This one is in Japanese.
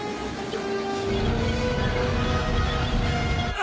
あ！